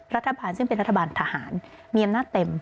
รัฐบาลซึ่งเป็นรัฐบาลทหารมีอำนาจเต็ม